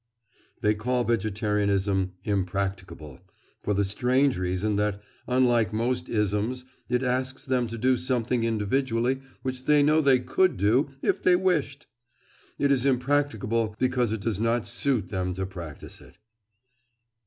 _ They call vegetarianism "impracticable" for the strange reason that, unlike most isms, it asks them to do something individually which they know they could do—if they wished! It is impracticable because it does not suit them to practise it.